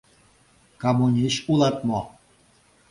Камунич улат мо?